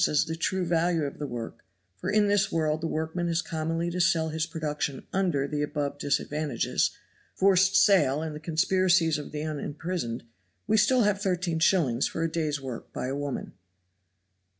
as the true value of the work, for in this world the workman has commonly to sell his production under the above disadvantages, forced sale and the conspiracies of the unimprisoned we have still 13s. for a day's work by a woman.